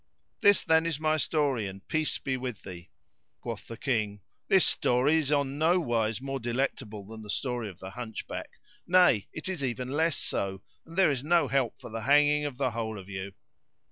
This then is my story, and peace be with thee! Quoth the King; "This story is on no wise more delectable than the story of the Hunchback; nay, it is even less so, and there is no help for the hanging of the whole of you."